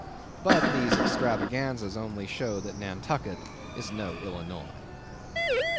But these extravaganzas only show that Nantucket is no Illinois.